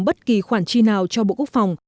bất kỳ khoản chi nào cho bộ quốc phòng